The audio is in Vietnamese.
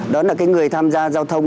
đó là cái người tham gia giao thông